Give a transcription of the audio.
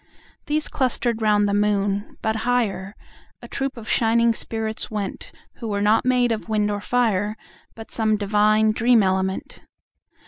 These clustered round the moon, but higherA troop of shining spirits went, Who were not made of wind or fire, But some divine dream element.